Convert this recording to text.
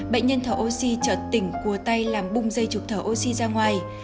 bệnh nhân thở oxy trợt tỉnh cua tay làm bung dây trục thở oxy ra ngoài